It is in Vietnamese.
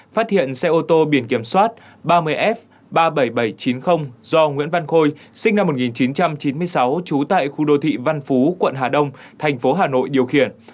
phát hiện xe ô tô biển kiểm soát ba mươi f ba mươi bảy nghìn bảy trăm chín mươi do nguyễn văn khôi sinh năm một nghìn chín trăm chín mươi sáu trú tại khu đô thị văn phú quận hà đông thành phố hà nội điều khiển